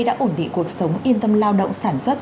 đã ổn định cuộc sống yên tâm lao động sản xuất